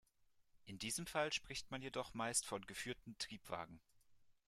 In diesem Fall spricht man jedoch meist von geführten Triebwagen.